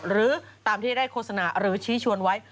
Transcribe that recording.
หรือตามที่ได้โฆษณาหรือชี้ชวนไว้